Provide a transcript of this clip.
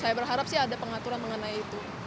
saya berharap sih ada pengaturan mengenai itu